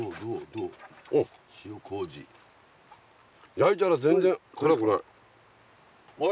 焼いたら全然辛くない。